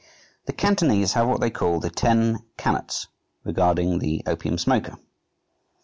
The Cantonese have what they call "The Ten Cannots regarding The Opium Smoker."